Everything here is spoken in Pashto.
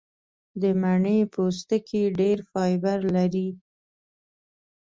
د مڼې پوستکی ډېر فایبر لري.